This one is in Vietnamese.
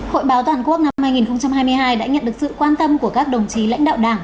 hội báo toàn quốc năm hai nghìn hai mươi hai đã nhận được sự quan tâm của các đồng chí lãnh đạo đảng